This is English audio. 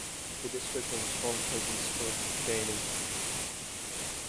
The district has a strong presence of Jainism.